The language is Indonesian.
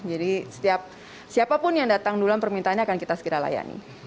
jadi siapapun yang datang duluan permintaannya akan kita sekiralah layani